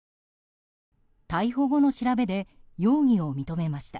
逮捕後の調べで容疑を認めました。